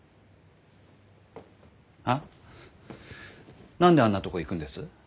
あ？何であんなとこ行くんです？